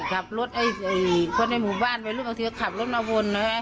กลับรถเอ่ยคนในหมู่บ้านไปบางทีก็ขับรถมาวนนะฮะ